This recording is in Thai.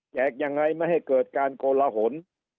แจกยังไงไม่ให้เกิดการโกลหละหน